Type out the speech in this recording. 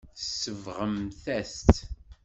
Tsebɣemt-as-tt.